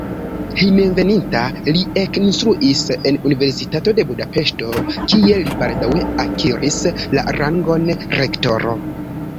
Hejmenveninta li ekinstruis en universitato de Budapeŝto, kie li baldaŭe akiris la rangon rektoro.